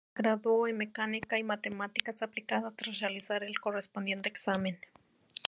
Se graduó en mecánica y matemáticas aplicadas tras realizar el correspondiente examen.